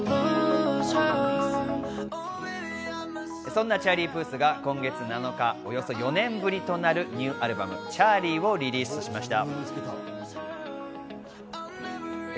そんなチャーリー・プースが今月７日、およそ４年ぶりとなるニューアルバム『ＣＨＡＲＬＩＥ』をリリースしました。